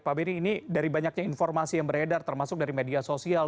pak beri ini dari banyaknya informasi yang beredar termasuk dari media sosial